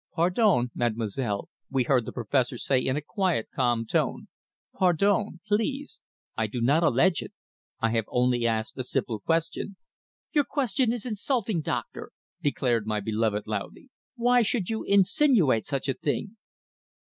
"Pardon, Mademoiselle," we heard the Professor say in a quiet, calm tone. "Pardon. Please! I do not allege it. I have only asked a simple question." "Your question is insulting, doctor!" declared my beloved loudly. "Why should you insinuate such a thing?"